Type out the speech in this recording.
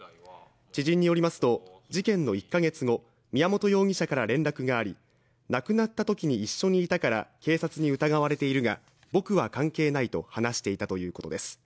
知人によりますと事件の１か月後、宮本容疑者から連絡があり亡くなったときに一緒にいたから警察に疑われているが僕は関係ないと話していたということです。